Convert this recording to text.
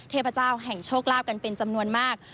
เทพเจ้าแห่งโชคลาภกันเป็นจำนวนมาก